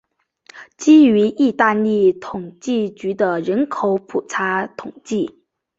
基于意大利统计局的人口普查统计。